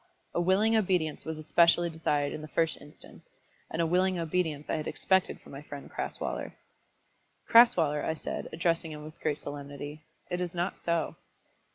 A willing obedience was especially desired in the first instance, and a willing obedience I had expected from my friend Crasweller. "Crasweller," I said, addressing him with great solemnity; "it is not so."